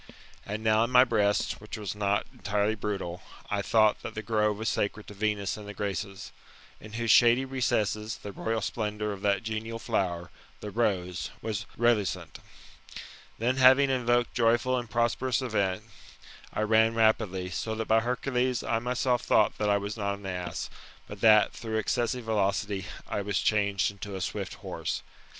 And now in my breast, which was not entirely brutal, I thought thai the 53 THB MBTAMORPHOSIS, OR grove was sacred to Venus and the Graces ; in whose shady recesses, the royal splendour of that genial flower [the rose] was relucent Then having invoked joyful and prosperous Event,^ I ran rapidlv, so that, by Hercules, I myself thought that I was not an ass, but that, through excessive velocity, I was changed into a swift horse.